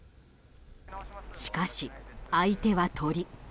しかし、相手は鳥。